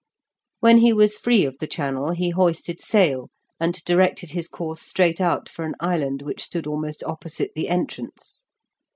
When he was free of the channel, he hoisted sail and directed his course straight out for an island which stood almost opposite the entrance.